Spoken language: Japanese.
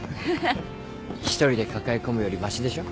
１人で抱え込むよりましでしょ？